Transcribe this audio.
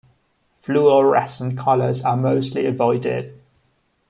Fluorescent colours are mostly avoided.